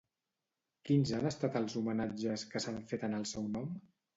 Quins han estat els homenatges que s'han fet en el seu nom?